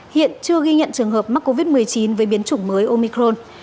hiện chưa ghi nhận trường hợp mắc covid một mươi chín với biến chủng mới omicron